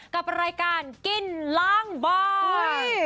กับรายการกินล้างบาง